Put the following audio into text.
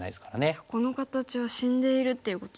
じゃあこの形は死んでいるっていうことですか。